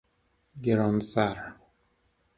گرانسر